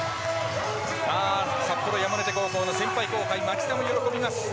札幌の高校先輩・後輩の町田も喜びます。